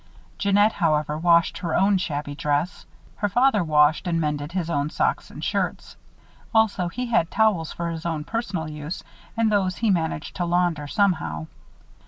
Jeannette, however, washed her own shabby dress. Her father washed and mended his own socks and shirts. Also he had towels for his own personal use and those he managed to launder, somehow.